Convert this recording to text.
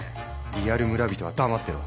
「リアル村人は黙ってろ」。